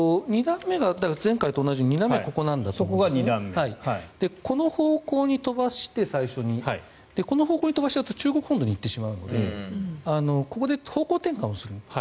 前回と同じ２段目がここなんだと思うんですがこの方向に最初に飛ばしてこの方向に飛ばすと中国本土に行ってしまうのでここで方向転換をする。